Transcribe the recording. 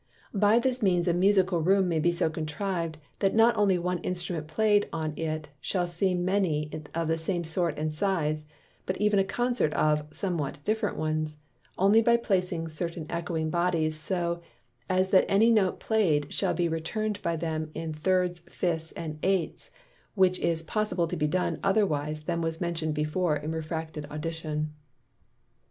By this means a Musical Room may be so contriv'd, that not only one Instrument, play'd on in it shall seem many of the same sort and size; but even a Consort of (somewhat) different ones; only by placing certain Ecchoing Bodies so, as that any Note (play'd) shall be return'd by them in 3_ds_, 5_ths_, and 8_ths_, which is possible to be done otherwise than was mention'd before in Refracted Audition.